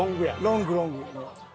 ロングロング。